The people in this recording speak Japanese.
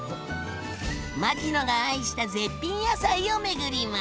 牧野が愛した絶品野菜を巡ります。